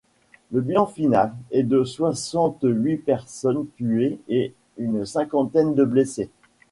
Le bilan final est de soixante-huit personnes tuées et une cinquantaine de blessés.